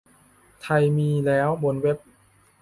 ไทยมีแล้วบนเว็บ